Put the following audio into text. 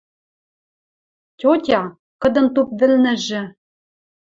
Тьотя, кыдын туп вӹлнӹжӹ